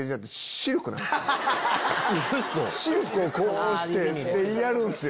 ⁉シルクをこうしてやるんすよ。